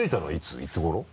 いつ頃？